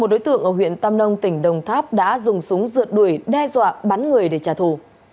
đối tượng ở huyện tâm đông tỉnh đồng tháp đã dùng súng rượt đuổi đe dọa bắn người để trả thù